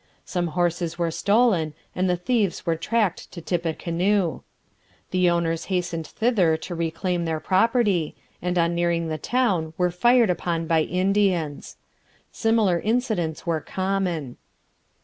Some horses were stolen, and the thieves were tracked to Tippecanoe. The owners hastened thither to reclaim their property, and on nearing the town were fired upon by Indians. Similar incidents were common.